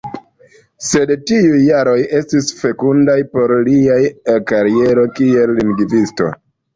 Sed tiuj jaroj estis fekundaj por lia kariero kiel lingvisto.